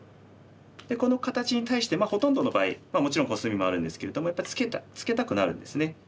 この形に対してほとんどの場合もちろんコスミもあるんですけれどもやっぱりツケたくなるんですね。